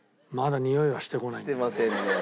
してませんね。